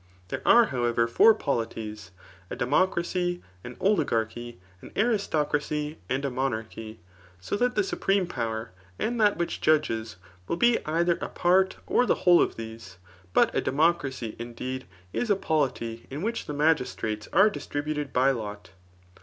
There are, however, four poKties, a democracy, an oligarchy, an aristocracy, and a monarchy; sothatth« supreme power and that which judges, will be either a part or .the whole of these. But a democracy, indeed, is a polity in which the magistrates are distributed by lot.